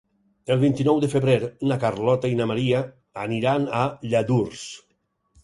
El vint-i-nou de febrer na Carlota i na Maria aniran a Lladurs.